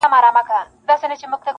• چي زندان تر آزادۍ ورته بهتر وي -